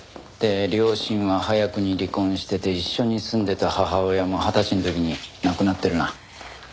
で両親は早くに離婚してて一緒に住んでた母親も二十歳の時に亡くなってるな。